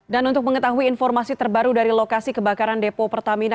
dan untuk mengetahui informasi terbaru dari lokasi kebakaran depo pertamina